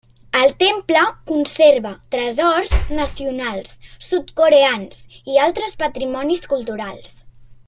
El temple conserva tresors nacionals sud-coreans i altres patrimonis culturals.